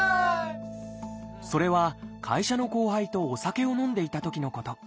それは会社の後輩とお酒を飲んでいたときのこと。